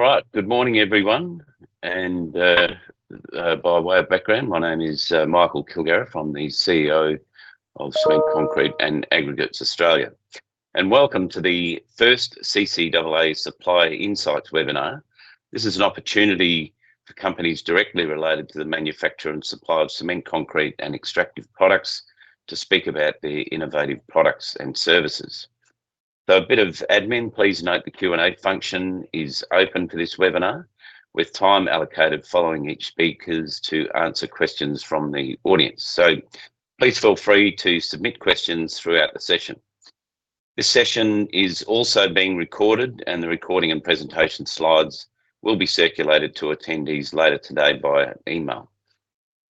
Right. Good morning, everyone. By way of background, my name is Michael Kilgariff. I'm the CEO of Cement Concrete & Aggregates Australia. Welcome to the first CCAA Supplier Insights webinar. This is an opportunity for companies directly related to the manufacture and supply of cement, concrete, and extractive products to speak about their innovative products and services. A bit of admin. Please note the Q&A function is open for this webinar, with time allocated following each speakers to answer questions from the audience. Please feel free to submit questions throughout the session. This session is also being recorded, and the recording and presentation slides will be circulated to attendees later today via email.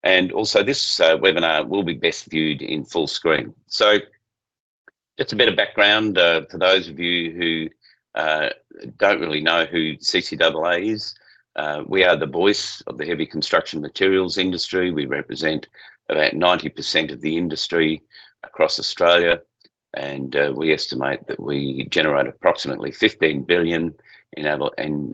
This webinar will be best viewed in full screen. Just a bit of background for those of you who don't really know who CCAA is. We are the voice of the heavy construction materials industry. We represent about 90% of the industry across Australia. We estimate that we generate approximately 15 billion in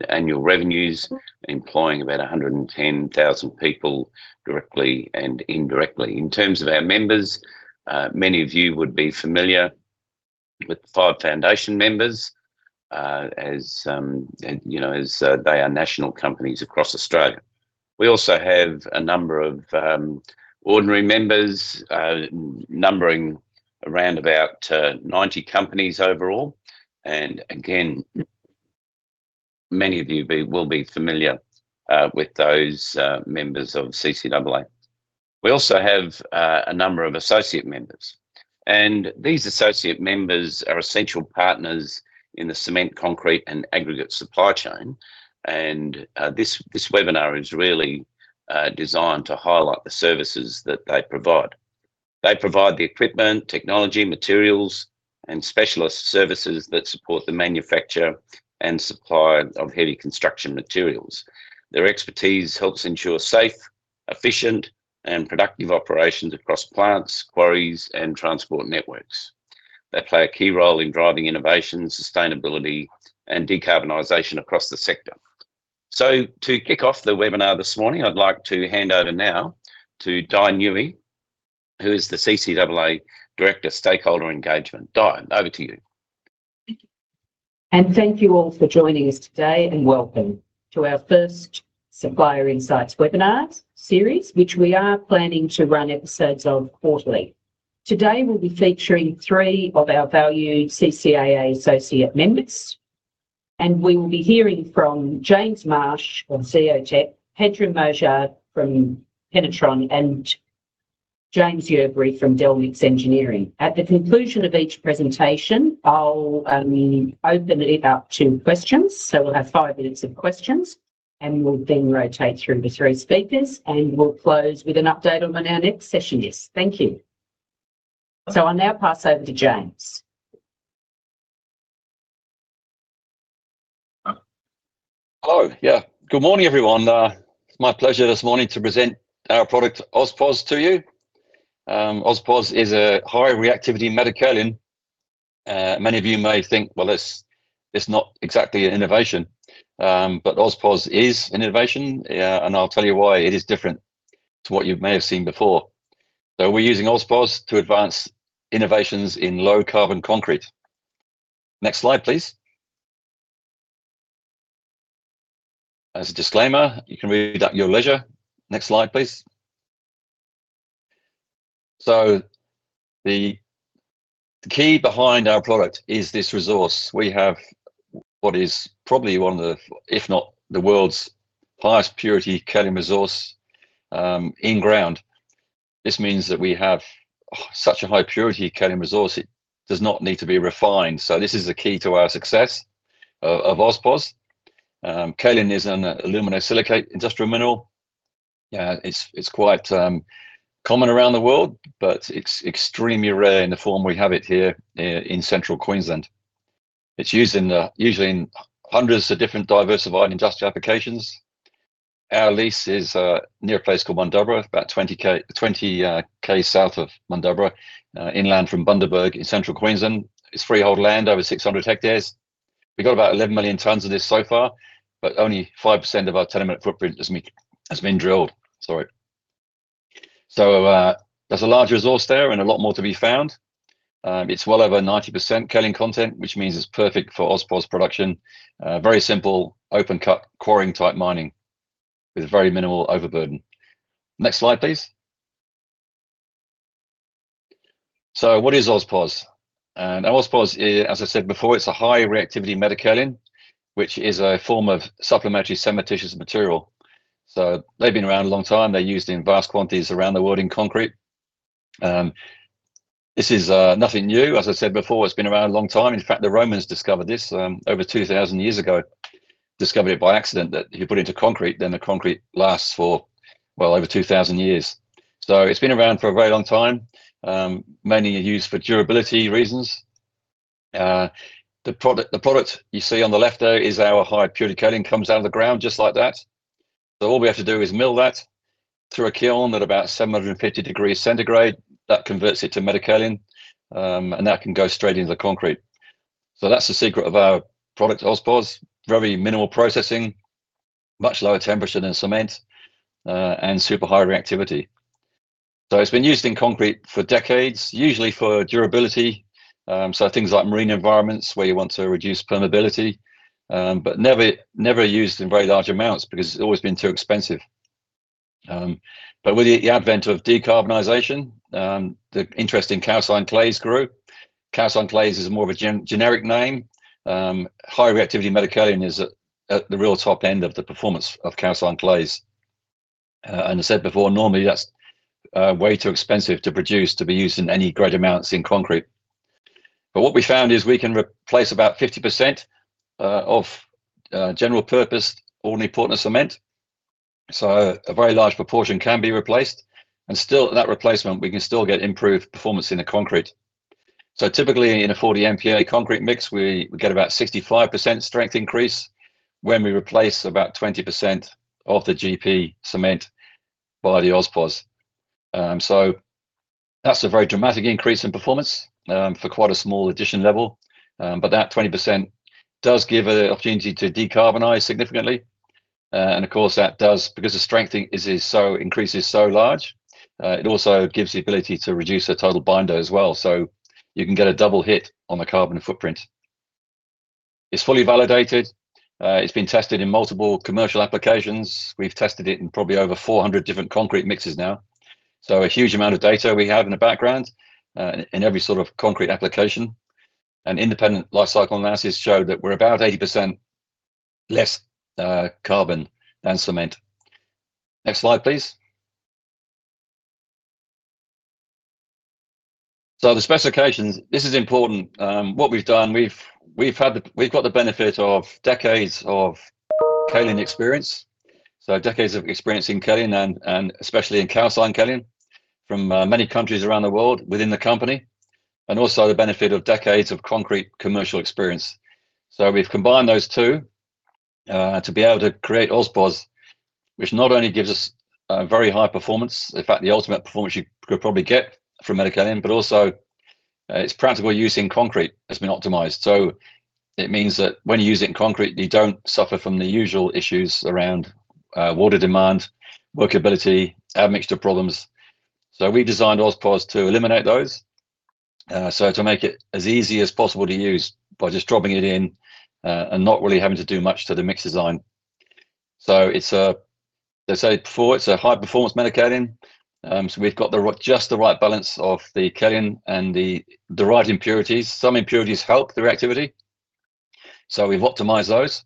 annual revenues, employing about 110,000 people directly and indirectly. In terms of our members, many of you would be familiar with the five foundation members, as you know, as they are national companies across Australia. We also have a number of ordinary members, numbering around about 90 companies overall. Again, many of you will be familiar with those members of CCAA. We also have a number of associate members, and these associate members are essential partners in the cement, concrete, and aggregate supply chain. This webinar is really designed to highlight the services that they provide. They provide the equipment, technology, materials, and specialist services that support the manufacture and supply of heavy construction materials. Their expertise helps ensure safe, efficient, and productive operations across plants, quarries, and transport networks. They play a key role in driving innovation, sustainability, and decarbonization across the sector. To kick off the webinar this morning, I'd like to hand over now to Dianne Newey, who is the CCAA Director, Stakeholder Engagement. Dianne, over to you. Thank you. Thank you all for joining us today, and welcome to our first Supplier Insights webinar series, which we are planning to run episodes of quarterly. Today, we'll be featuring three of our valued CCAA associate members, and we will be hearing from James Marsh from Zeotech, Pedram Mojarrad from Penetron, and James Yerbury from Delmix Engineering. At the conclusion of each presentation, I'll open it up to questions. We'll have five minutes of questions, and we'll then rotate through the three speakers, and we'll close with an update on when our next session is. Thank you. I'll now pass over to James. Hello. Yeah. Good morning, everyone. It's my pleasure this morning to present our product, AusPozz, to you. AusPozz is a high-reactivity metakaolin. Many of you may think, well, this not exactly an innovation, but AusPozz is an innovation. I'll tell you why it is different to what you may have seen before. We're using AusPozz to advance innovations in low-carbon concrete. Next slide, please. As a disclaimer, you can read at your leisure. Next slide, please. The key behind our product is this resource. We have what is probably one of the, if not the world's highest purity kaolin resource, in ground. This means that we have such a high purity kaolin resource, it does not need to be refined. This is the key to our success of AusPozz. Kaolin is an aluminosilicate industrial mineral. It's quite common around the world, but it's extremely rare in the form we have it here in central Queensland. It's used usually in hundreds of different diversified industrial applications. Our lease is near a place called Mundubbera, about 20 km south of Mundubbera, inland from Bundaberg in central Queensland. It's freehold land, over 600 hectares. We've got about 11 million tonnes of this so far, but only 5% of our tenement footprint has been drilled. Sorry. There's a large resource there and a lot more to be found. It's well over 90% kaolin content, which means it's perfect for AusPozz production. Very simple, open cut, quarrying type mining with very minimal overburden. Next slide, please. What is AusPozz? AusPozz is, as I said before, it's a high-reactivity metakaolin, which is a form of supplementary cementitious material. They've been around a long time. They're used in vast quantities around the world in concrete. This is nothing new. As I said before, it's been around a long time. In fact, the Romans discovered this over 2,000 years ago. Discovered it by accident that if you put it into concrete, then the concrete lasts for, well, over 2,000 years. It's been around for a very long time, mainly in use for durability reasons. The product you see on the left there is our high purity kaolin. Comes out of the ground just like that. All we have to do is mill that through a kiln at about 750 degrees centigrade, that converts it to metakaolin, and that can go straight into the concrete. That's the secret of our product, AusPozz. Very minimal processing, much lower temperature than cement, and super high reactivity. It's been used in concrete for decades, usually for durability. Things like marine environments where you want to reduce permeability, but never used in very large amounts because it's always been too expensive. With the advent of decarbonization, the interest in calcined clays grew. Calcined clays is more of a generic name. High reactivity metakaolin is at the real top end of the performance of calcined clays. I said before, normally that's way too expensive to produce to be used in any great amounts in concrete. What we found is we can replace about 50% of general purpose Ordinary Portland Cement. A very large proportion can be replaced, and still with that replacement, we can still get improved performance in the concrete. Typically in a 40 MPa concrete mix, we get about 65% strength increase when we replace about 20% of the GP cement by the AusPozz. That's a very dramatic increase in performance for quite a small addition level. That 20% does give an opportunity to decarbonize significantly. Of course, that does because the strength increase is so large, it also gives the ability to reduce the total binder as well. You can get a double hit on the carbon footprint. It's fully validated. It's been tested in multiple commercial applications. We've tested it in probably over 400 different concrete mixes now. A huge amount of data we have in the background, in every sort of concrete application. Independent life cycle analysis show that we're about 80% less carbon than cement. Next slide, please. The specifications, this is important. What we've done, we've got the benefit of decades of kaolin experience. Decades of experience in kaolin and especially in calcined kaolin from many countries around the world within the company, and also the benefit of decades of concrete commercial experience. We've combined those two, to be able to create AusPozz, which not only gives us a very high performance, in fact, the ultimate performance you could probably get from metakaolin, but also, its practical use in concrete has been optimized. It means that when you use it in concrete, you don't suffer from the usual issues around, water demand, workability, admixture problems. We designed AusPozz to eliminate those. To make it as easy as possible to use by just dropping it in, and not really having to do much to the mix design. As I said before, it's a high-performance metakaolin. We've got just the right balance of the kaolin and the right impurities. Some impurities help the reactivity, so we've optimized those.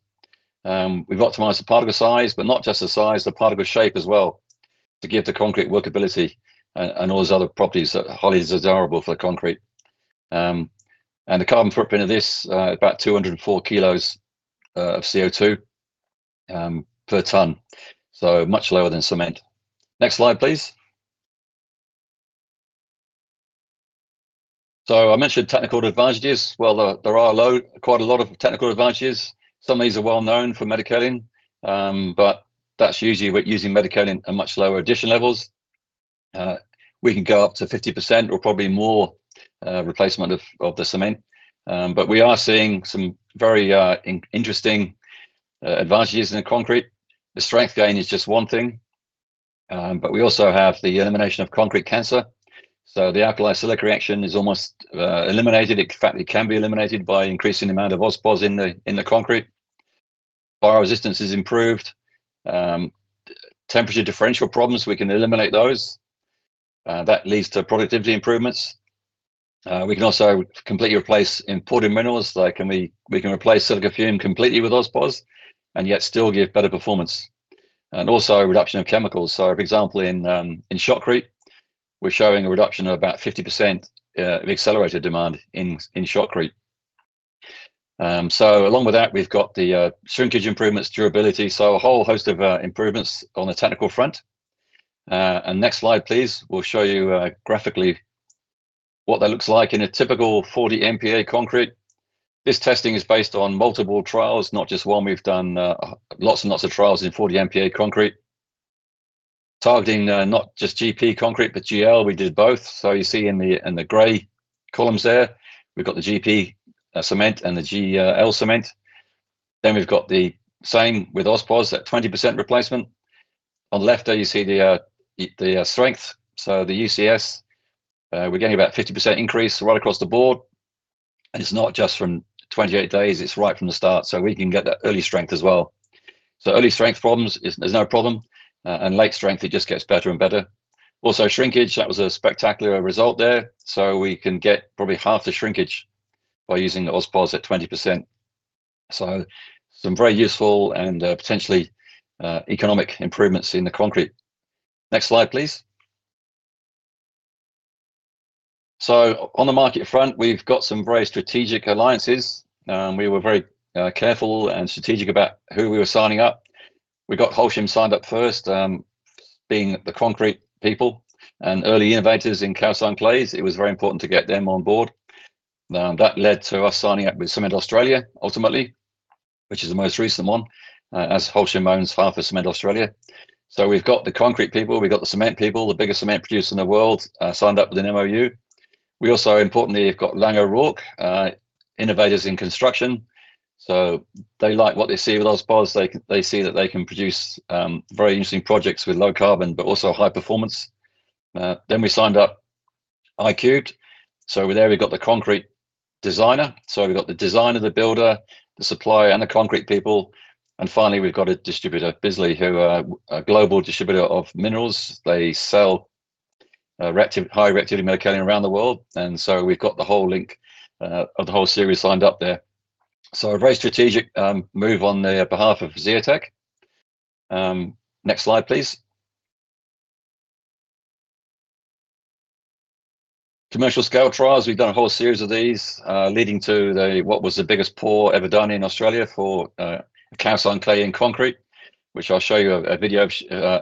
We've optimized the particle size, but not just the size, the particle shape as well, to give the concrete workability and all those other properties that are highly desirable for the concrete. The carbon footprint of this, about 204 kilos of CO₂ per ton, so much lower than cement. Next slide, please. I mentioned technical advantages. Well, there are quite a lot of technical advantages. Some of these are well known for metakaolin, but that's usually with using metakaolin at much lower addition levels. We can go up to 50% or probably more replacement of the cement. But we are seeing some very interesting advantages in the concrete. The strength gain is just one thing, but we also have the elimination of concrete cancer. The alkali-silica reaction is almost eliminated. In fact, it can be eliminated by increasing the amount of AusPozz in the concrete. Fire resistance is improved. Temperature differential problems, we can eliminate those. That leads to productivity improvements. We can also completely replace imported minerals, like and we can replace silica fume completely with AusPozz and yet still give better performance. Also reduction of chemicals. For example, in shotcrete, we're showing a reduction of about 50% of accelerator demand in shotcrete. Along with that, we've got the shrinkage improvements, durability, so a whole host of improvements on the technical front. Next slide, please, will show you graphically what that looks like in a typical 40 MPa concrete. This testing is based on multiple trials, not just one. We've done lots and lots of trials in 40 MPa concrete. Targeting not just GP concrete, but GL. We did both. You see in the gray columns there, we've got the GP cement and the GL cement. Then we've got the same with AusPozz at 20% replacement. On the left there you see the strength, so the UCS. We're getting about 50% increase right across the board. It's not just from 28 days, it's right from the start, so we can get that early strength as well. Early strength problems. There's no problem. Late strength, it just gets better and better. Shrinkage, that was a spectacular result there. We can get probably half the shrinkage by using AusPozz at 20%. Some very useful and, potentially, economic improvements in the concrete. Next slide, please. On the market front, we've got some very strategic alliances. We were very, careful and strategic about who we were signing up. We got Holcim signed up first, being the concrete people and early innovators in calcined clays, it was very important to get them on board. Now, that led to us signing up with Cement Australia ultimately which is the most recent one as Holcim owns half of Cement Australia. We've got the concrete people, we've got the cement people, the biggest cement producer in the world, signed up with an MOU. We also importantly have got Laing O'Rourke, innovators in construction, so they like what they see with AusPozz. They see that they can produce very interesting projects with low carbon but also high performance. Then we signed up Icubed, so with their we've got the concrete designer, so we've got the designer, the builder, the supplier, and the concrete people. Finally we've got a distributor, Bisley, who are a global distributor of minerals. They sell high reactivity metakaolin around the world, and so we've got the whole link of the whole series lined up there. So a very strategic move on behalf of Zeotech. Next slide please. Commercial scale trials. We've done a whole series of these leading to what was the biggest pour ever done in Australia for calcined clay and concrete, which I'll show you a video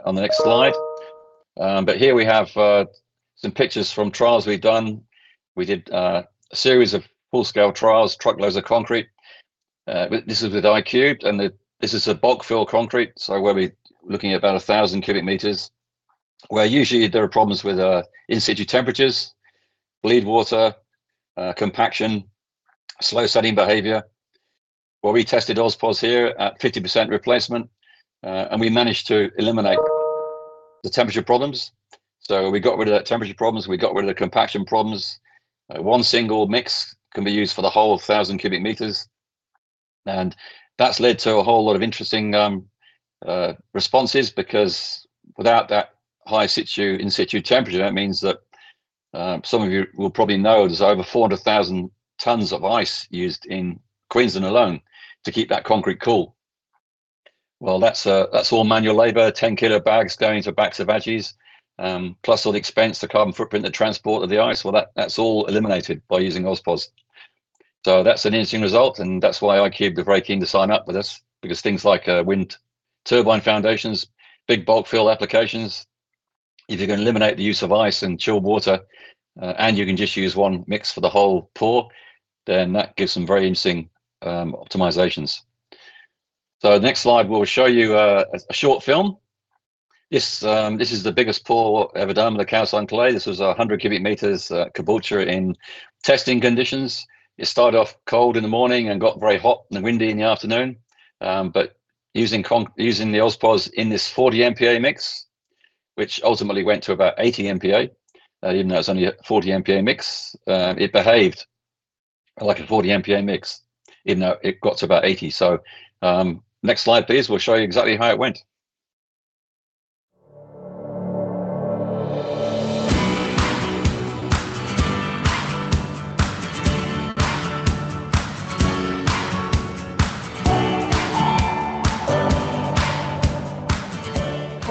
on the next slide. Here we have some pictures from trials we've done. We did a series of full-scale trials, truckloads of concrete. This is with Icubed, and this is a bog fill concrete, so where we're looking at about 1,000 cubic meters, where usually there are problems with in situ temperatures, bleed water, compaction, slow setting behavior. Well, we tested AusPozz here at 50% replacement, and we managed to eliminate the temperature problems. We got rid of that temperature problems, we got rid of the compaction problems. One single mix can be used for the whole 1,000 cubic meters, and that's led to a whole lot of interesting responses because without that high in situ temperature that means that some of you will probably know there's over 400,000 tons of ice used in Queensland alone to keep that concrete cool. Well, that's all manual labor. 10 kg bags going into backs of aggies, plus all the expense, the carbon footprint, the transport of the ice, well, that's all eliminated by using AusPozz. That's an interesting result, and that's why Icubed were very keen to sign up with us because things like wind turbine foundations, big bog fill applications, if you can eliminate the use of ice and chilled water, and you can just use one mix for the whole pour, then that gives some very interesting optimizations. Next slide will show you a short film. This is the biggest pour ever done with a calcined clay. This was 100 cubic meters, Caboolture in testing conditions. It started off cold in the morning and got very hot and windy in the afternoon. using the AusPozz in this 40 MPa mix, which ultimately went to about 80 MPa, even though it's only a 40 MPa mix, it behaved like a 40 MPa mix even though it got to about 80. Next slide please, we'll show you exactly how it went.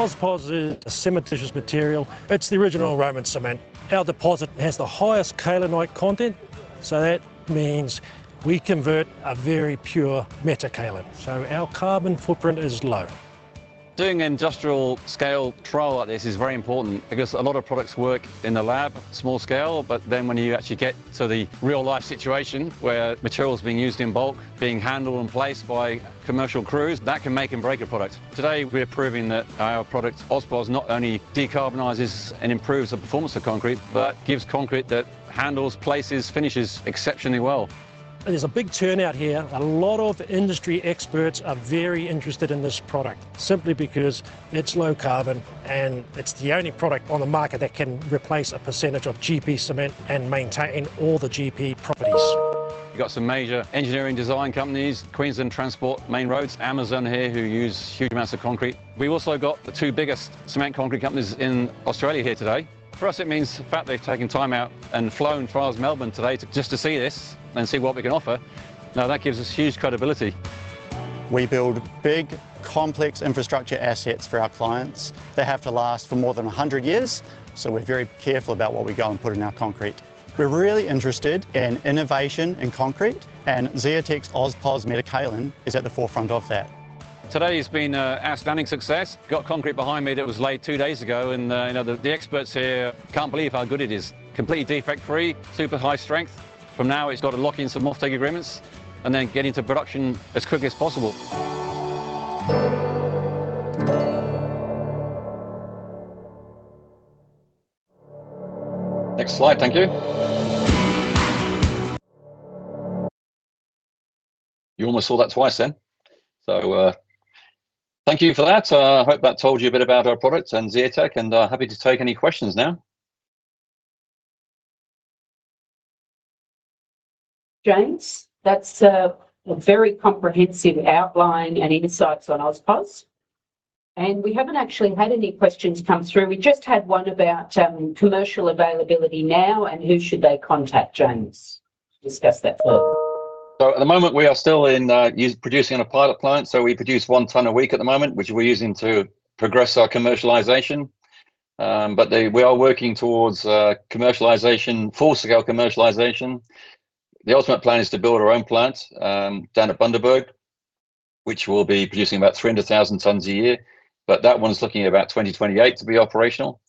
AusPozz is a cementitious material. It's the original Roman cement. Our deposit has the highest kaolinite content, so that means we convert a very pure metakaolin, so our carbon footprint is low. Doing an industrial scale trial like this is very important because a lot of products work in the lab, small scale, but then when you actually get to the real life situation where material's being used in bulk, being handled and placed by commercial crews, that can make and break a product. Today we're proving that our product AusPozz not only decarbonizes and improves the performance of concrete, but gives concrete that handles, places, finishes exceptionally well. There's a big turnout here. A lot of industry experts are very interested in this product simply because it's low carbon and it's the only product on the market that can replace a percentage of GP cement and maintain all the GP properties. We've got some major engineering design companies, Queensland Transport, Main Roads, Amazon here, who use huge amounts of concrete. We've also got the two biggest cement concrete companies in Australia here today. For us it means the fact they've taken time out and flown from Melbourne today just to see this and see what we can offer, now that gives us huge credibility. We build big complex infrastructure assets for our clients. They have to last for more than a hundred years, so we're very careful about what we go and put in our concrete. We're really interested in innovation in concrete and Zeotech's AusPozz metakaolin is at the forefront of that. Today's been outstanding success. Got concrete behind me that was laid two days ago and, you know, the experts here can't believe how good it is. Completely defect free, super high strength. From now it's got to lock in some offtake agreements and then get into production as quickly as possible. Next slide. Thank you. You almost saw that twice then. Thank you for that. Hope that told you a bit about our product and Zeotech, and happy to take any questions now. James, that's a very comprehensive outline and insights on AusPozz, and we haven't actually had any questions come through. We just had one about commercial availability now and who should they contact, James, to discuss that further. At the moment we are still producing in a pilot plant. We produce 1 ton a week at the moment, which we're using to progress our commercialization. We are working towards commercialization, full scale commercialization. The ultimate plan is to build our own plant down at Bundaberg. Which will be producing about 300,000 tons a year. That one's looking at about 2028 to be operational.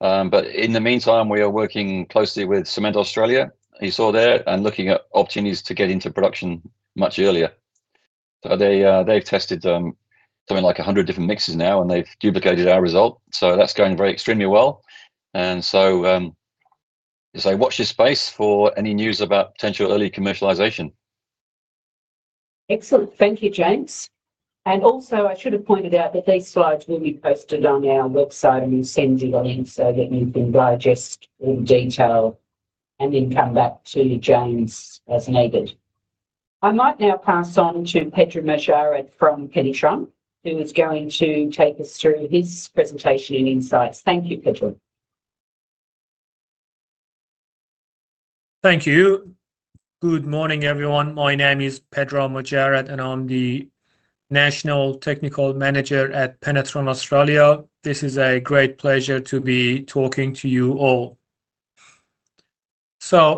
In the meantime, we are working closely with Cement Australia, you saw there, and looking at opportunities to get into production much earlier. They've tested something like 100 different mixes now, and they've duplicated our result. That's going very extremely well. As I watch this space for any news about potential early commercialization. Excellent. Thank you, James. I should have pointed out that these slides will be posted on our website, and we'll send you a link so that you can digest in detail and then come back to James as needed. I might now pass on to Pedram Mojarrad from Penetron, who is going to take us through his presentation and insights. Thank you, Pedram. Thank you. Good morning, everyone. My name is Pedram Mojarrad, and I'm the National Technical Manager at Penetron Australia. This is a great pleasure to be talking to you all.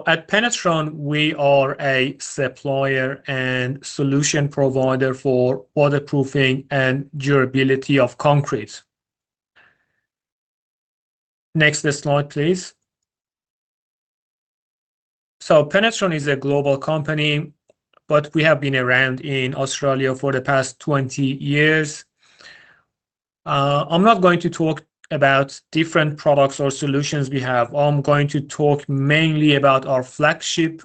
At Penetron, we are a supplier and solution provider for waterproofing and durability of concrete. Next slide, please. Penetron is a global company, but we have been around in Australia for the past 20 years. I'm not going to talk about different products or solutions we have. I'm going to talk mainly about our flagship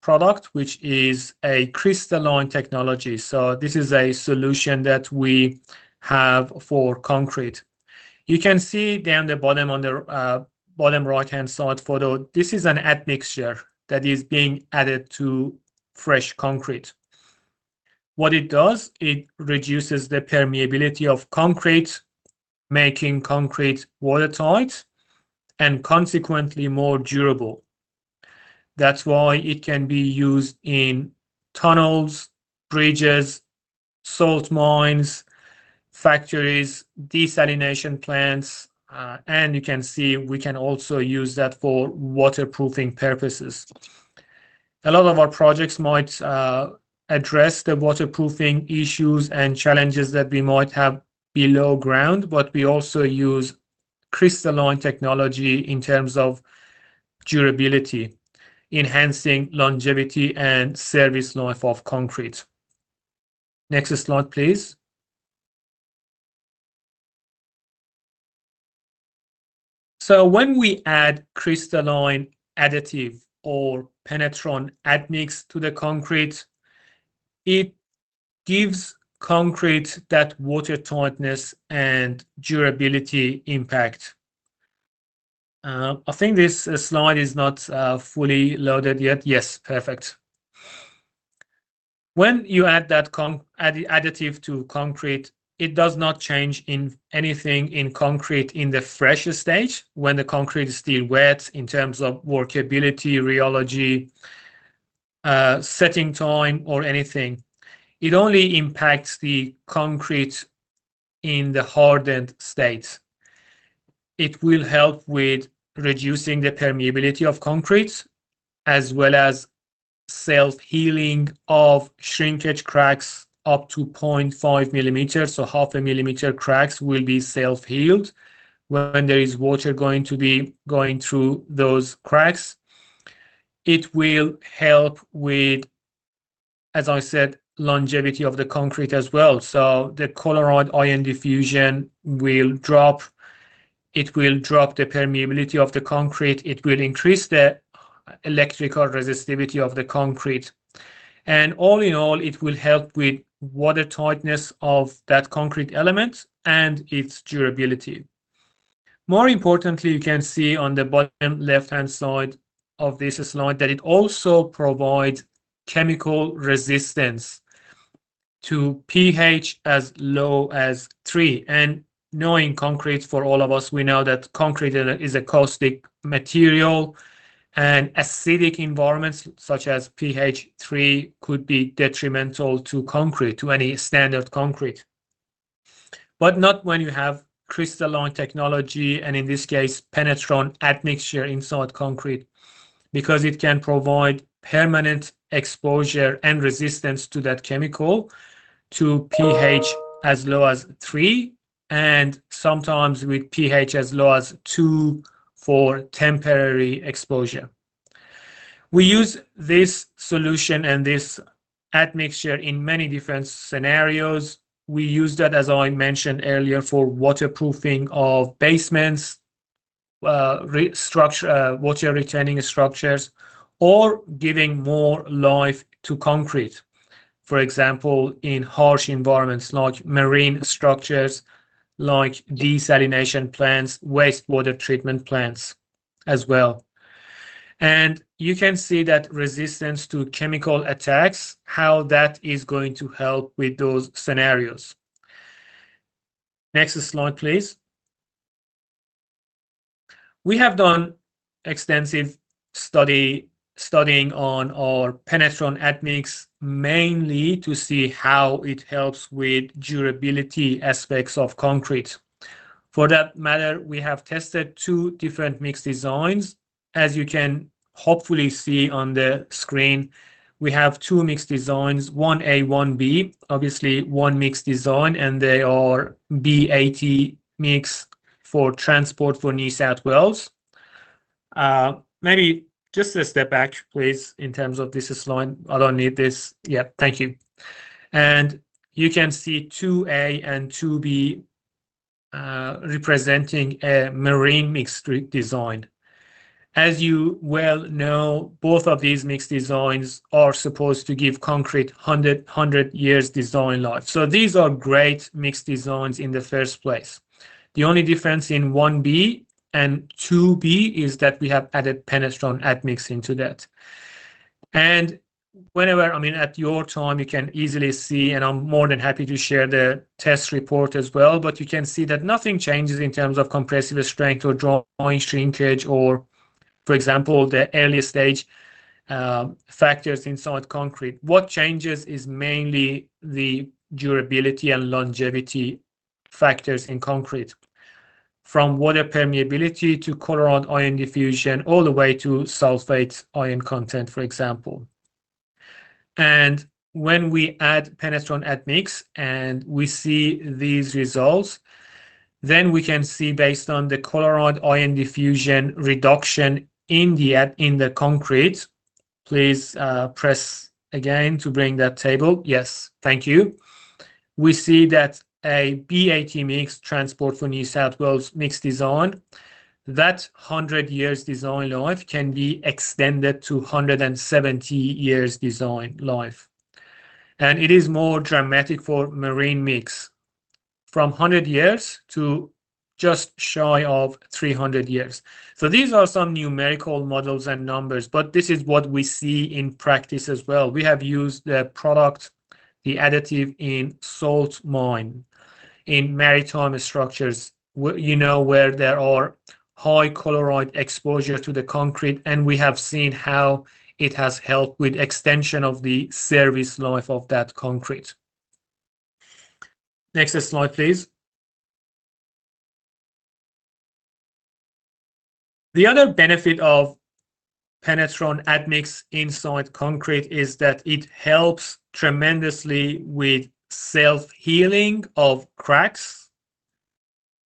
product, which is a crystalline technology. This is a solution that we have for concrete. You can see down the bottom, on the bottom right-hand side photo, this is an admixture that is being added to fresh concrete. What it does, it reduces the permeability of concrete, making concrete watertight and consequently more durable. That's why it can be used in tunnels, bridges, salt mines, factories, desalination plants, and you can see we can also use that for waterproofing purposes. A lot of our projects might address the waterproofing issues and challenges that we might have below ground, but we also use crystalline technology in terms of durability, enhancing longevity and service life of concrete. Next slide, please. When we add crystalline additive or Penetron Admix to the concrete, it gives concrete that water tightness and durability impact. I think this slide is not fully loaded yet. Yes, perfect. When you add that additive to concrete, it does not change anything in concrete in the fresh stage when the concrete is still wet in terms of workability, rheology, setting time or anything. It only impacts the concrete in the hardened state. It will help with reducing the permeability of concrete, as well as self-healing of shrinkage cracks up to 0.5 mm. Half a millimeter cracks will be self-healed when there is water going through those cracks. It will help with, as I said, longevity of the concrete as well. The chloride ion diffusion will drop. It will drop the permeability of the concrete. It will increase the electrical resistivity of the concrete. All in all, it will help with water tightness of that concrete element and its durability. More importantly, you can see on the bottom left-hand side of this slide that it also provides chemical resistance to pH as low as three. Knowing concrete, for all of us, we know that concrete is a caustic material. Acidic environments such as pH 3 could be detrimental to concrete, to any standard concrete. Not when you have crystalline technology, and in this case, Penetron Admix inside concrete, because it can provide permanent exposure and resistance to that chemical to pH as low as three, and sometimes with pH as low as two for temporary exposure. We use this solution and this admixture in many different scenarios. We use that, as I mentioned earlier, for waterproofing of basements, water retaining structures, or giving more life to concrete. For example, in harsh environments like marine structures, like desalination plants, wastewater treatment plants as well. You can see that resistance to chemical attacks, how that is going to help with those scenarios. Next slide, please. We have done extensive study on our Penetron Admix mainly to see how it helps with durability aspects of concrete. For that matter, we have tested two different mix designs. As you can hopefully see on the screen, we have two mix designs, 1A, 1B, obviously one mix design, and they are B80 mix for transport for New South Wales. Maybe just a step back, please, in terms of this slide. I don't need this. Yeah, thank you. You can see 2A and 2B, representing a marine mix design. As you well know, both of these mix designs are supposed to give concrete 100-year design life. These are great mix designs in the first place. The only difference in one B and 2 B is that we have added Penetron Admix into that. Whenever, I mean, at your time, you can easily see, and I'm more than happy to share the test report as well, but you can see that nothing changes in terms of compressive strength or drying shrinkage or, for example, the early stage factors inside concrete. What changes is mainly the durability and longevity factors in concrete, from water permeability to chloride ion diffusion, all the way to sulfate ion content, for example. When we add Penetron Admix, and we see these results, then we can see based on the chloride ion diffusion reduction in the concrete. Please press again to bring that table. Yes, thank you. We see that a B80 mix transport for New South Wales mix design, that 100-year design life can be extended to 170-year design life. It is more dramatic for marine mix from 100-years to just shy of 300-years. These are some numerical models and numbers, but this is what we see in practice as well. We have used the product, the additive in salt mine, in maritime structures you know, where there are high chloride exposure to the concrete, and we have seen how it has helped with extension of the service life of that concrete. Next slide, please. The other benefit of Penetron Admix inside concrete is that it helps tremendously with self-healing of cracks.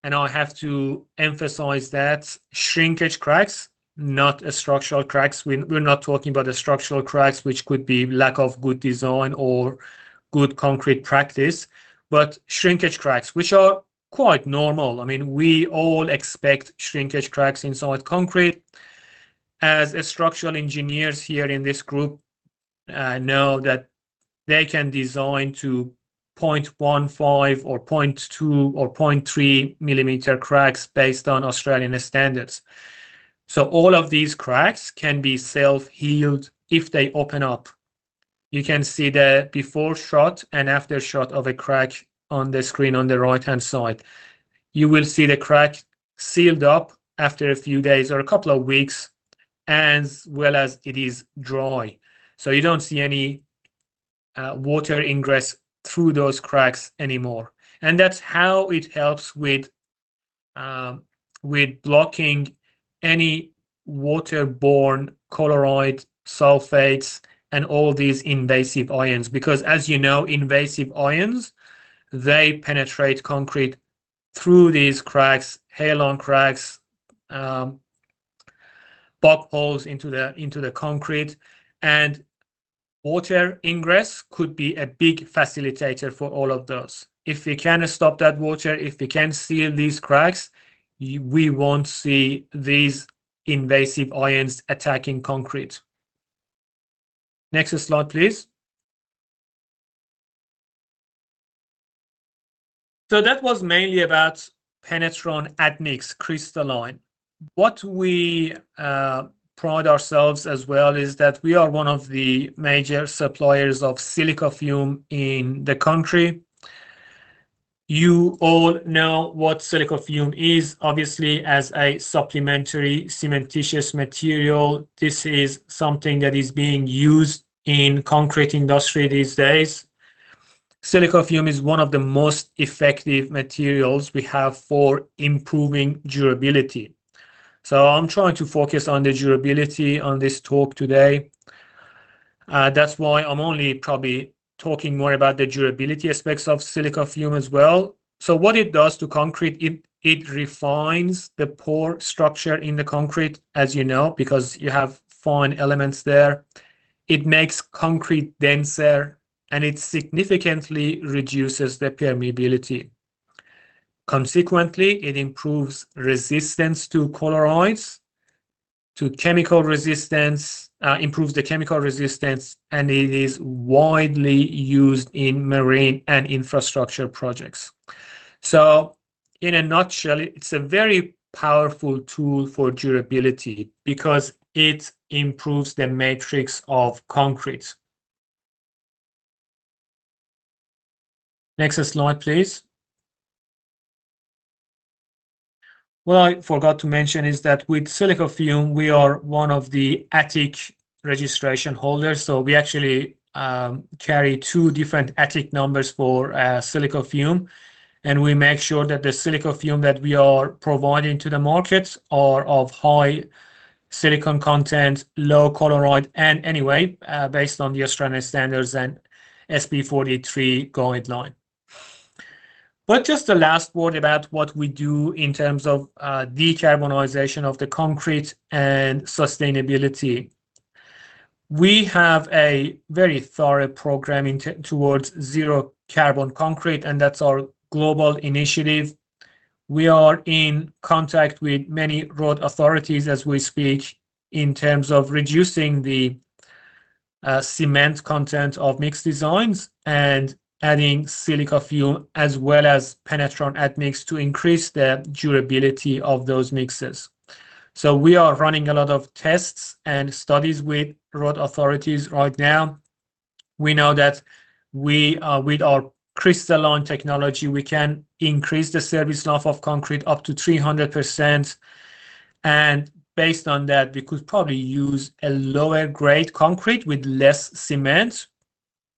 I have to emphasize that shrinkage cracks, not structural cracks. We're not talking about the structural cracks, which could be lack of good design or good concrete practice, but shrinkage cracks, which are quite normal. I mean, we all expect shrinkage cracks inside concrete. Structural engineers here in this group know that they can design to 0.15 mm or 0.2 mm or 0.3 mm cracks based on Australian standards. All of these cracks can be self-healed if they open up. You can see the before shot and after shot of a crack on the screen on the right-hand side. You will see the crack sealed up after a few days or a couple of weeks, as well as it is dry. You don't see any water ingress through those cracks anymore. That's how it helps with blocking any water-borne chloride, sulfates, and all these invasive ions. Because as you know, invasive ions, they penetrate concrete through these cracks, hairline cracks, pore holes into the concrete. Water ingress could be a big facilitator for all of those. If we can stop that water, if we can seal these cracks, we won't see these invasive ions attacking concrete. Next slide, please. That was mainly about Penetron Admix crystalline. What we pride ourselves as well is that we are one of the major suppliers of silica fume in the country. You all know what silica fume is, obviously, as a supplementary cementitious material. This is something that is being used in concrete industry these days. Silica fume is one of the most effective materials we have for improving durability. I'm trying to focus on the durability on this talk today. That's why I'm only probably talking more about the durability aspects of silica fume as well. What it does to concrete, it refines the pore structure in the concrete, as you know, because you have fine elements there. It makes concrete denser, and it significantly reduces the permeability. Consequently, it improves resistance to chlorides and chemical resistance, and it is widely used in marine and infrastructure projects. In a nutshell, it's a very powerful tool for durability because it improves the matrix of concrete. Next slide, please. What I forgot to mention is that with silica fume, we are one of the ATIC registration holders. We actually carry two different ATIC numbers for silica fume, and we make sure that the silica fume that we are providing to the markets are of high silicon content, low chloride, and anyway, based on the Australian standards and SP 43 guideline. Just a last word about what we do in terms of decarbonization of the concrete and sustainability. We have a very thorough program in towards zero carbon concrete, and that's our global initiative. We are in contact with many road authorities as we speak in terms of reducing the cement content of mix designs and adding silica fume as well as Penetron Admix to increase the durability of those mixes. We are running a lot of tests and studies with road authorities right now. We know that we with our crystalline technology, we can increase the service life of concrete up to 300%. Based on that, we could probably use a lower grade concrete with less cement.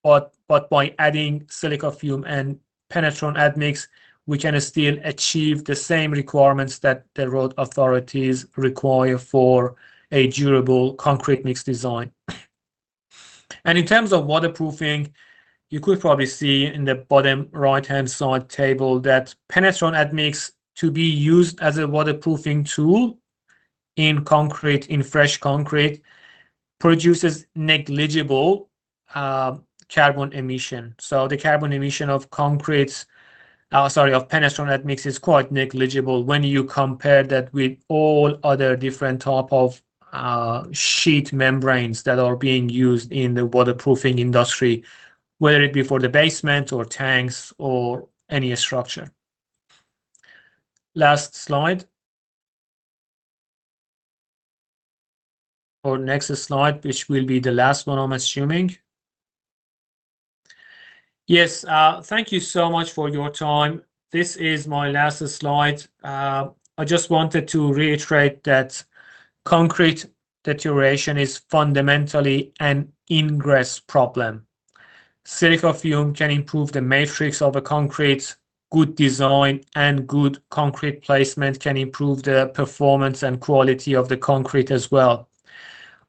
But by adding silica fume and Penetron Admix, we can still achieve the same requirements that the road authorities require for a durable concrete mix design. In terms of waterproofing, you could probably see in the bottom right-hand side table that Penetron Admix to be used as a waterproofing tool in concrete, in fresh concrete, produces negligible carbon emission. The carbon emission of concretes, sorry, of Penetron Admix is quite negligible when you compare that with all other different type of sheet membranes that are being used in the waterproofing industry, whether it be for the basement or tanks or any structure. Last slide. Or next slide, which will be the last one, I'm assuming. Yes, thank you so much for your time. This is my last slide. I just wanted to reiterate that concrete deterioration is fundamentally an ingress problem. Silica fume can improve the matrix of a concrete. Good design and good concrete placement can improve the performance and quality of the concrete as well.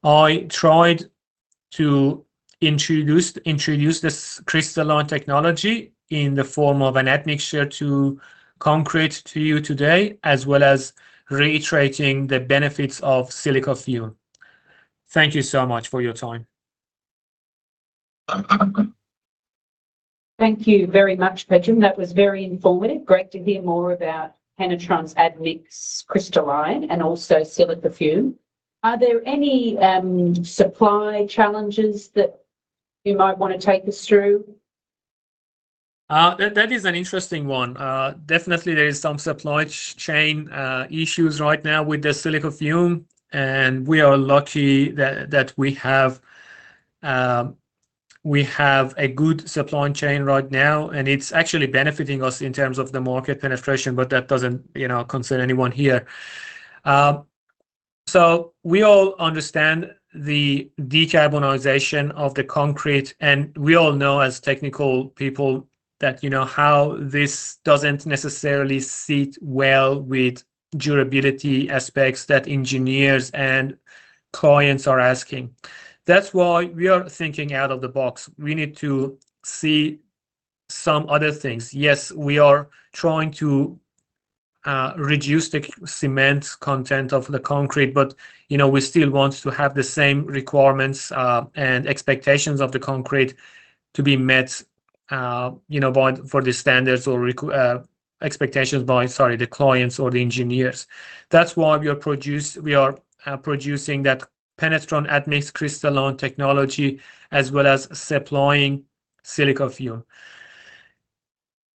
I tried to introduce this crystalline technology in the form of an admixture to concrete to you today, as well as reiterating the benefits of silica fume. Thank you so much for your time. Thank you very much, Pedram. That was very informative. Great to hear more about Penetron's Admix crystalline and also silica fume. Are there any supply challenges that you might want to take us through? That is an interesting one. Definitely there is some supply chain issues right now with the silica fume. We are lucky that we have a good supply chain right now, and it's actually benefiting us in terms of the market penetration, but that doesn't, you know, concern anyone here. We all understand the decarbonization of the concrete, and we all know as technical people that, you know, how this doesn't necessarily sit well with durability aspects that engineers and clients are asking. That's why we are thinking out of the box. We need to see some other things. Yes, we are trying to reduce the cement content of the concrete, but, you know, we still want to have the same requirements and expectations of the concrete to be met, you know, by. For the standards or expectations by, sorry, the clients or the engineers. That's why we are producing that Penetron Admix crystalline technology as well as supplying silica fume.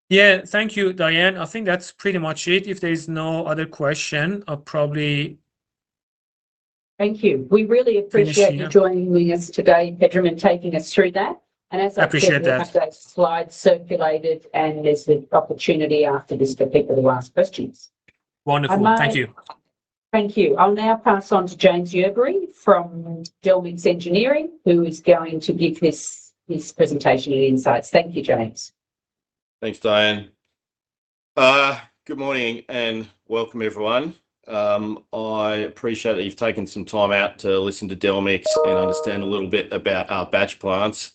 Yeah. Thank you, Dianne. I think that's pretty much it. If there's no other question, I'll probably Thank you. We really appreciate. Finish here. you joining us today, Pedram, and taking us through that. As I said- Appreciate that. We'll have those slides circulated, and there's the opportunity after this for people to ask questions. Wonderful. Thank you. Thank you. I'll now pass on to James Yerbury from Delmix Engineering, who is going to give this presentation and insights. Thank you, James. Thanks, Dianne. Good morning and welcome, everyone. I appreciate that you've taken some time out to listen to Delmix and understand a little bit about our batch plants.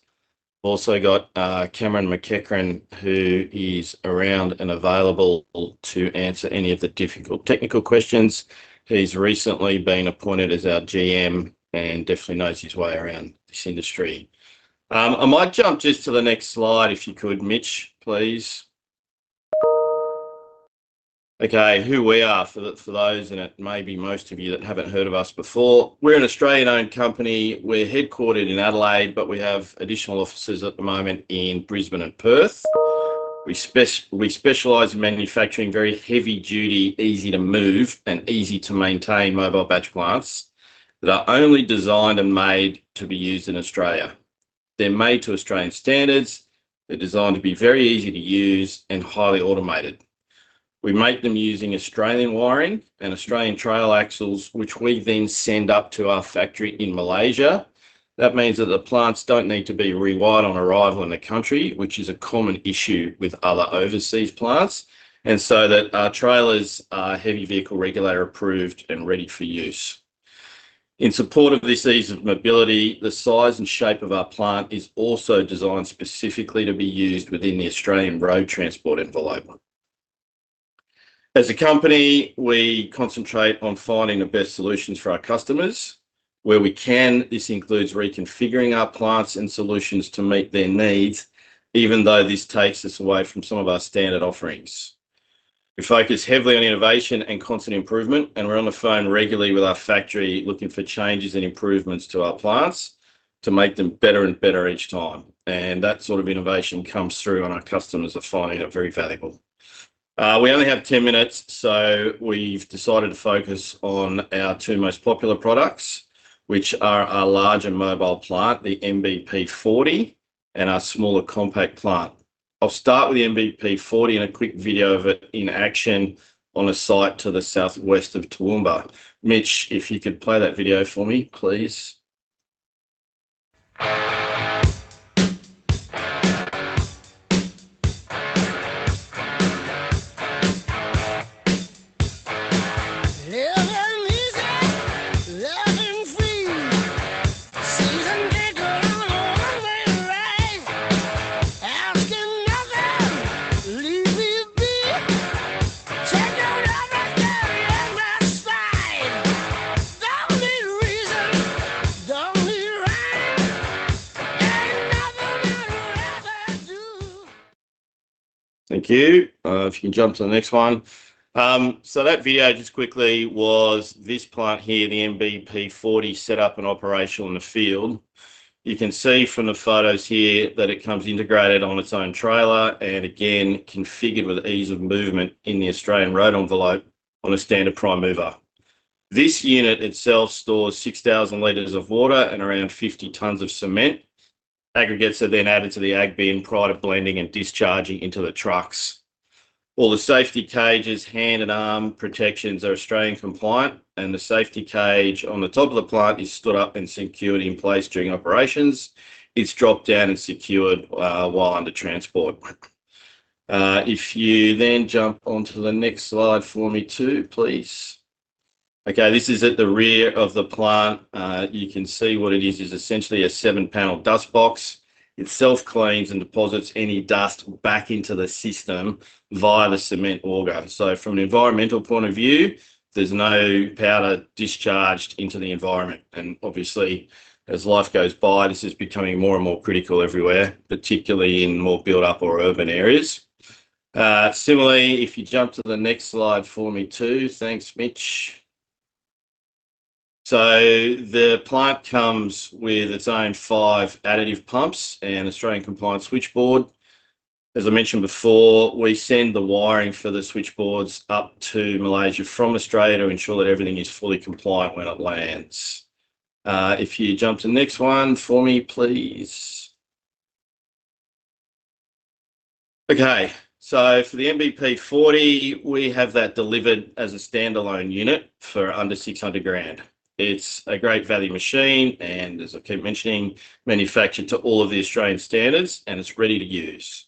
Also got, Cameron McEachran, who is around and available to answer any of the difficult technical questions. He's recently been appointed as our GM and definitely knows his way around this industry. I might jump just to the next slide if you could, Mitch, please. Okay. Who we are for those, and it may be most of you that haven't heard of us before. We're an Australian-owned company. We're headquartered in Adelaide, but we have additional offices at the moment in Brisbane and Perth. We specialize in manufacturing very heavy-duty, easy to move, and easy to maintain mobile batch plants that are only designed and made to be used in Australia. They're made to Australian standards. They're designed to be very easy to use and highly automated. We make them using Australian wiring and Australian trailer axles, which we then send up to our factory in Malaysia. That means that the plants don't need to be rewired on arrival in the country, which is a common issue with other overseas plants. That our trailers are National Heavy Vehicle Regulator approved and ready for use. In support of this ease of mobility, the size and shape of our plant is also designed specifically to be used within the Australian road transport envelope. As a company, we concentrate on finding the best solutions for our customers. Where we can, this includes reconfiguring our plants and solutions to meet their needs, even though this takes us away from some of our standard offerings. We focus heavily on innovation and constant improvement, and we're on the phone regularly with our factory looking for changes and improvements to our plants to make them better and better each time, and that sort of innovation comes through and our customers are finding it very valuable. We only have ten minutes, so we've decided to focus on our two most popular products, which are our larger mobile plant, the MBP40, and our smaller compact plant. I'll start with the MBP40 and a quick video of it in action on a site to the southwest of Toowoomba. Mitch, if you could play that video for me, please. Livin' easy, lovin' free. Season ticket on a one-way ride. Askin' nothing, leave me be. Take whatever's there at my side. Don't need reason, don't need rhyme. Ain't nothing that I'd rather do. Thank you. If you can jump to the next one. That video just quickly was this plant here, the MBP40 set up and operational in the field. You can see from the photos here that it comes integrated on its own trailer, and again, configured with ease of movement in the Australian road envelope on a standard prime mover. This unit itself stores 6,000 liters of water and around 50 tons of cement. Aggregates are then added to the ag bin prior to blending and discharging into the trucks. All the safety cages, hand and arm protections are Australian compliant, and the safety cage on the top of the plant is stood up and secured in place during operations. It's dropped down and secured while under transport. If you then jump onto the next slide for me too, please. Okay, this is at the rear of the plant. You can see what it is essentially a seven-panel dust box. It self-cleans and deposits any dust back into the system via the cement auger. From an environmental point of view, there's no powder discharged into the environment. Obviously, as time goes by, this is becoming more and more critical everywhere, particularly in more built-up or urban areas. Similarly, if you jump to the next slide for me too. Thanks, Mitch. The plant comes with its own five additive pumps, and Australian-compliant switchboard. As I mentioned before, we send the wiring for the switchboards up to Malaysia from Australia to ensure that everything is fully compliant when it lands. If you jump to the next one for me, please. Okay, for the MBP40, we have that delivered as a standalone unit for under 600,000. It's a great value machine, and as I keep mentioning, manufactured to all of the Australian standards and it's ready to use.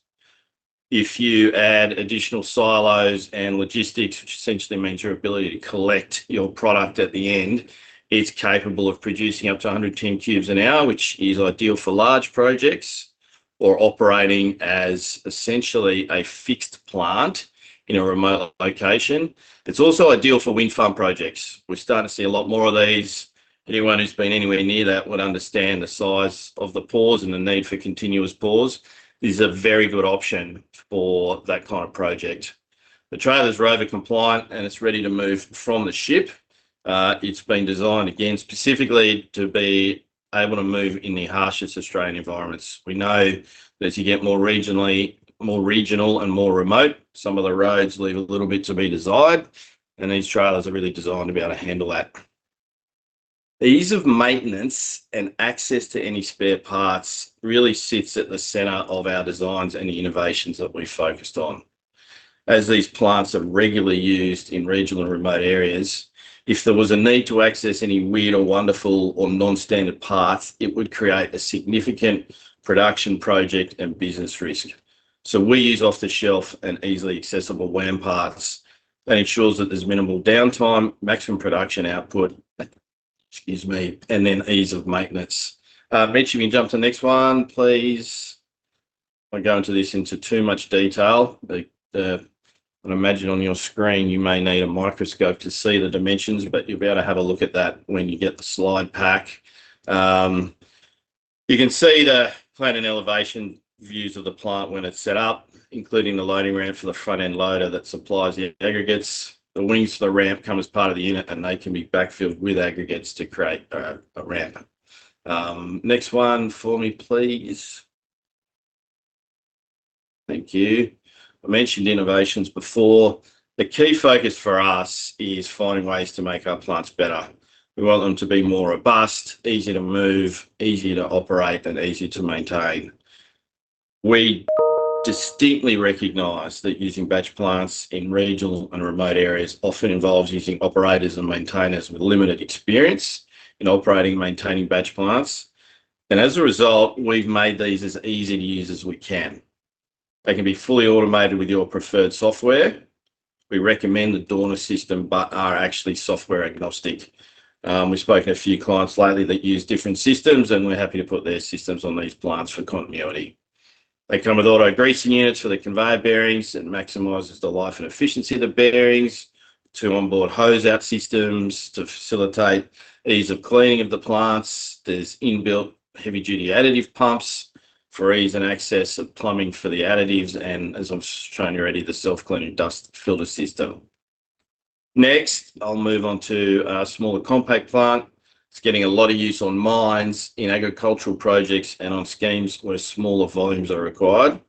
If you add additional silos and logistics, which essentially means your ability to collect your product at the end, it's capable of producing up to 110 cubes an hour, which is ideal for large projects or operating as essentially a fixed plant in a remote location. It's also ideal for wind farm projects. We're starting to see a lot more of these. Anyone who's been anywhere near that would understand the size of the pours and the need for continuous pours. This is a very good option for that kind of project. The trailer's road-compliant and it's ready to move from the ship. It's been designed again specifically to be able to move in the harshest Australian environments. We know that as you get more regional and more remote, some of the roads leave a little bit to be desired, and these trailers are really designed to be able to handle that. The ease of maintenance and access to any spare parts really sits at the center of our designs and the innovations that we've focused on. As these plants are regularly used in regional and remote areas, if there was a need to access any weird or wonderful or non-standard parts, it would create a significant production project and business risk. We use off-the-shelf and easily accessible WAM parts that ensures that there's minimal downtime, maximum production output, excuse me, and then ease of maintenance. Mitch, you can jump to the next one, please. I'll go into this in too much detail. I imagine on your screen you may need a microscope to see the dimensions, but you'll be able to have a look at that when you get the slide pack. You can see the plan and elevation views of the plant when it's set up, including the loading ramp for the front end loader that supplies the aggregates. The wings for the ramp come as part of the unit, and they can be backfilled with aggregates to create a ramp. Next one for me, please. Thank you. I mentioned innovations before. The key focus for us is finding ways to make our plants better. We want them to be more robust, easy to move, easy to operate and easy to maintain. We distinctly recognize that using batch plants in regional and remote areas often involves using operators and maintainers with limited experience in operating and maintaining batch plants. As a result, we've made these as easy to use as we can. They can be fully automated with your preferred software. We recommend the Dorner system, but we are actually software-agnostic. We've spoken to a few clients lately that use different systems, and we're happy to put their systems on these plants for continuity. They come with auto-greasing units for the conveyor bearings. It maximizes the life and efficiency of the bearings. Two onboard hose out systems facilitate ease of cleaning of the plants. There's built-in heavy-duty additive pumps for ease and access of plumbing for the additives, and as I've shown you already, the self-cleaning dust filter system. Next, I'll move on to our smaller compact plant. It's getting a lot of use on mines, in agricultural projects, and on schemes where smaller volumes are required.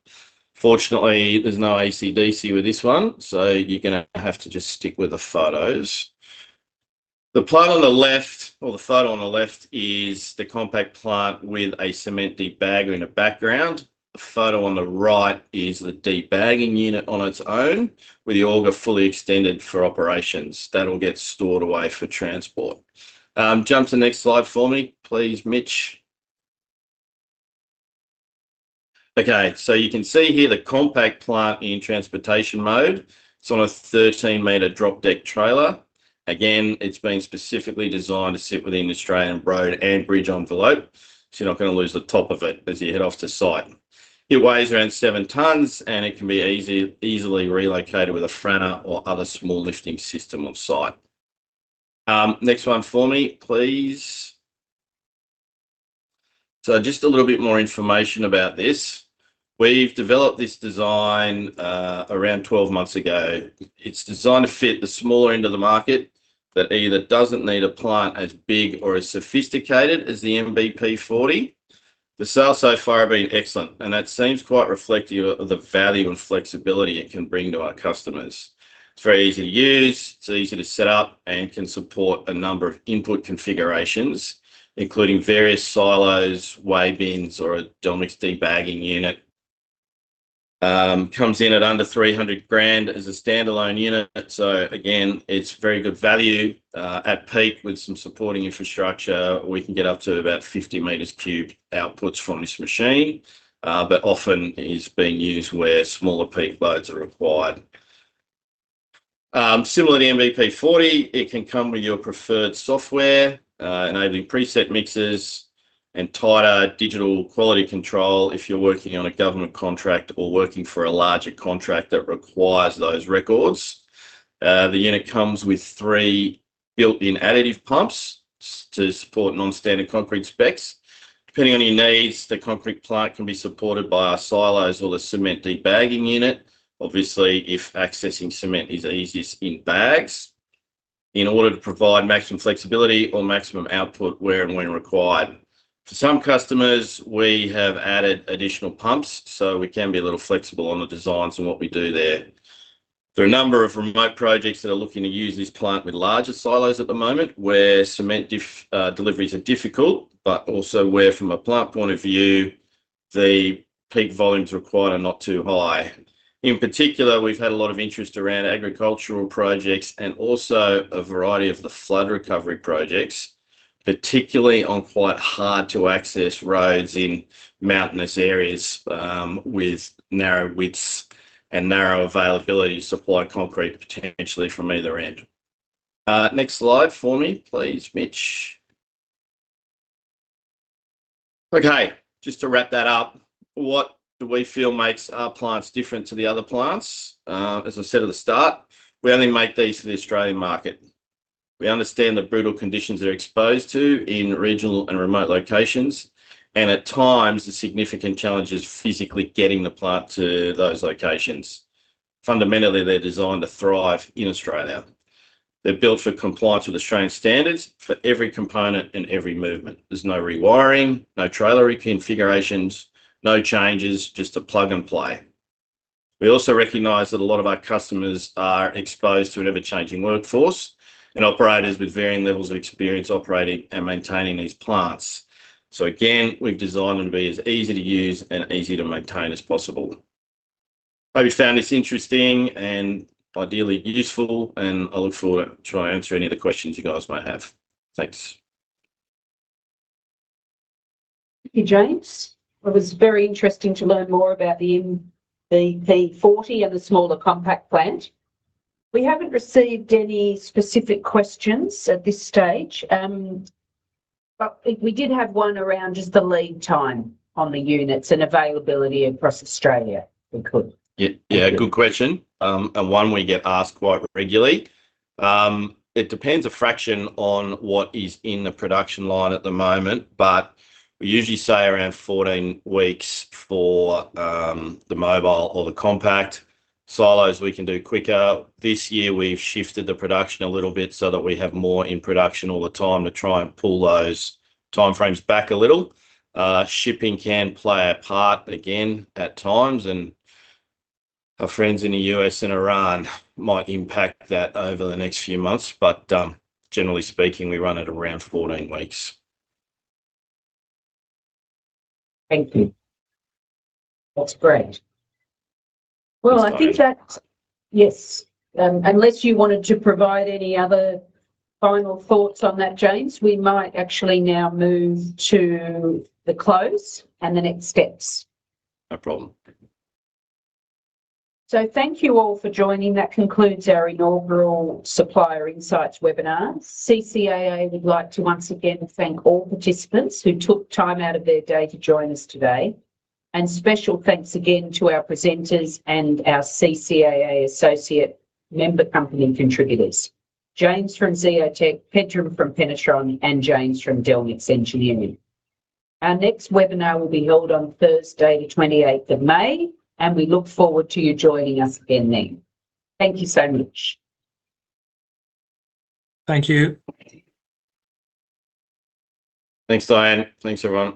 Fortunately, there's no ACDC with this one, so you're gonna have to just stick with the photos. The plant on the left, or the photo on the left is the compact plant with a cement debagger in the background. The photo on the right is the debagging unit on its own, with the auger fully extended for operations. That'll get stored away for transport. Jump to the next slide for me, please, Mitch. Okay. You can see here the compact plant in transportation mode. It's on a 13-meter drop deck trailer. Again, it's been specifically designed to sit within the Australian road and bridge envelope, so you're not gonna lose the top of it as you head off to site. It weighs around 7 tons, and it can be easily relocated with a Franna or other small lifting system on site. Next one for me, please. Just a little bit more information about this. We've developed this design around 12 months ago. It's designed to fit the smaller end of the market that either doesn't need a plant as big or as sophisticated as the MBP40. The sales so far have been excellent, and that seems quite reflective of the value and flexibility it can bring to our customers. It's very easy to use, it's easy to set up, and can support a number of input configurations, including various silos, weigh bins or a Delmix debagging unit. Comes in at under 300,000 as a standalone unit, so again, it's very good value. At peak with some supporting infrastructure, we can get up to about 50 cubic meters outputs from this machine, but often is being used where smaller peak loads are required. Similar to MBP40, it can come with your preferred software, enabling preset mixes and tighter digital quality control if you're working on a government contract or working for a larger contract that requires those records. The unit comes with three built-in additive pumps to support non-standard concrete specs. Depending on your needs, the concrete plant can be supported by our silos or the cement debagging unit. Obviously, if accessing cement is easiest in bags, in order to provide maximum flexibility or maximum output where and when required. For some customers, we have added additional pumps, so we can be a little flexible on the designs and what we do there. There are a number of remote projects that are looking to use this plant with larger silos at the moment where cement deliveries are difficult, but also where from a plant point of view, the peak volumes required are not too high. In particular, we've had a lot of interest around agricultural projects and also a variety of the flood recovery projects, particularly on quite hard-to-access roads in mountainous areas, with narrow widths and narrow availability to supply concrete potentially from either end. Next slide for me, please, Mitch. Okay. Just to wrap that up, what do we feel makes our plants different to the other plants? As I said at the start, we only make these for the Australian market. We understand the brutal conditions they're exposed to in regional and remote locations, and at times, the significant challenge is physically getting the plant to those locations. Fundamentally, they're designed to thrive in Australia. They're built for compliance with Australian standards for every component and every movement. There's no rewiring, no trailer reconfigurations, no changes, just a plug and play. We also recognize that a lot of our customers are exposed to an ever-changing workforce and operators with varying levels of experience operating and maintaining these plants. Again, we've designed them to be as easy to use and easy to maintain as possible. Hope you found this interesting and ideally useful, and I look forward to try and answer any of the questions you guys might have. Thanks. Thank you, James. It was very interesting to learn more about the MBV40 and the smaller compact plant. We haven't received any specific questions at this stage, but we did have one around just the lead time on the units and availability across Australia, if we could. Yeah. Good question, and one we get asked quite regularly. It depends a fraction on what is in the production line at the moment, but we usually say around 14 weeks for the mobile or the compact. Silos, we can do quicker. This year we've shifted the production a little bit so that we have more in production all the time to try and pull those timeframes back a little. Shipping can play a part again at times, and our friends in the U.S. and Iran might impact that over the next few months, but generally speaking, we run at around 14 weeks. Thank you. That's great. Well, I think. Sorry. Yes. Unless you wanted to provide any other final thoughts on that, James, we might actually now move to the close and the next steps. No problem. Thank you. Thank you all for joining. That concludes our inaugural Supplier Insights webinar. CCAA would like to once again thank all participants who took time out of their day to join us today, and special thanks again to our presenters and our CCAA associate member company contributors, James Marsh from Zeotech, Pedram Mojarrad from Penetron, and James Yerbury from Delmix Engineering. Our next webinar will be held on Thursday, the 28th of May, and we look forward to you joining us again then. Thank you so much. Thank you. Thanks, Dianne. Thanks, everyone.